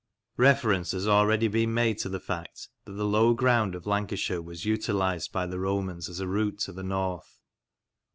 Reference has already been made to the fact that the low ground of Lancashire was utilised by the Romans as a route to the north.